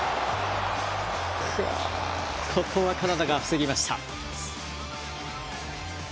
ここはカナダが防ぎました。